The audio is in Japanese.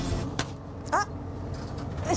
あっ！